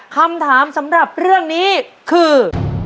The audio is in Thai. คำถามสำหรับเรื่องนี้คือ